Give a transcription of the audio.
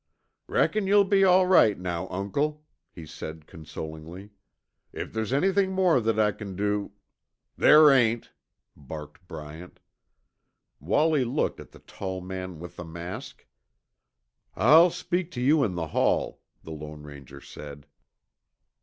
"Reckon you'll be all right now, Uncle," he said consolingly. "If there's anything more that I c'n do " "There ain't," barked Bryant. Wallie looked at the tall man with the mask. "I'll speak to you in the hall," the Lone Ranger said.